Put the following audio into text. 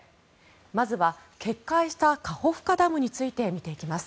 まずは、決壊したカホフカダムについて見ていきます。